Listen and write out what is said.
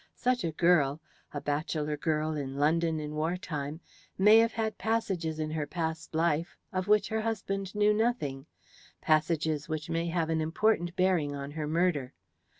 Such a girl a bachelor girl in London in war time may have had passages in her past life of which her husband knew nothing passages which may have an important bearing on her murder.